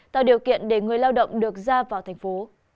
tạo điều kiện để người lao động được ra vào thành phố